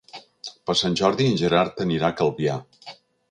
Per Sant Jordi en Gerard anirà a Calvià.